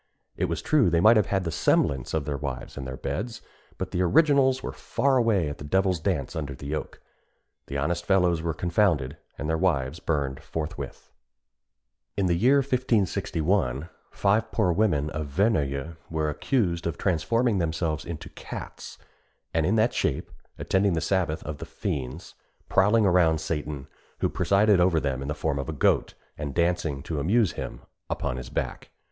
It was true they might have had the semblance of their wives in their beds, but the originals were far away at the devil's dance under the oak. The honest fellows were confounded, and their wives burned forthwith. [Illustration: CHARLES IX.] In the year 1561, five poor women of Verneuil were accused of transforming themselves into cats, and in that shape attending the sabbath of the fiends prowling around Satan, who presided over them in the form of a goat, and dancing, to amuse him, upon his back.